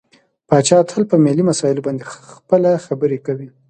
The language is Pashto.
پاچا تل په ملي مسايلو باندې خپله خبرې کوي .